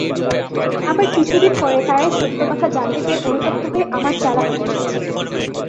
আবার কিছুদিন পরে তারাই সত্য কথা জানতে পেরে অনুতপ্ত হয়ে আমার চেলা হতে এসেছে।